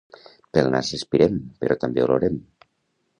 Pel nas respirem… però també olorem!